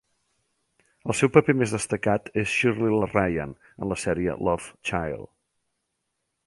El seu paper més destacat és Shirley Ryan en la sèrie Love Child.